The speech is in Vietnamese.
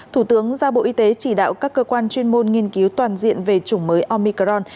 thủ tướng giao bộ y tế chỉ đạo các cơ quan chuyên môn nghiên cứu toàn diện về chủng mới omicron